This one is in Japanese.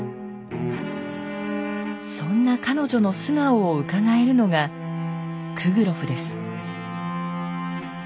そんな彼女の素顔をうかがえるのがクグロフです。